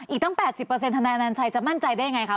อีกตั้งแปดสิบเปอร์เซ็นต์ธนาณาชัยจะมั่นใจได้ไงค่ะอ๋อ